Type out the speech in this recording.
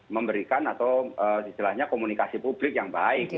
memberikan atau istilahnya komunikasi publik yang baik